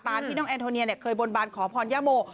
ที่น้องแอนโทเนียเคยบนบานขอพรย่าโม